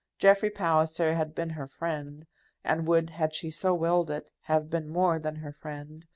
Jeffrey Palliser had been her friend, and would, had she so willed it, have been more than her friend.